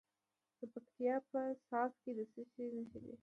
د پکتیا په ځاځي کې د څه شي نښې دي؟